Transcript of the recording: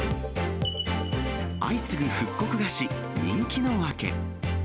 相次ぐ復刻菓子、人気の訳。